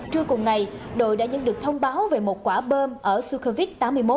trưa cùng ngày đội đã nhận được thông báo về một quả bơm ở sukhumvit tám mươi một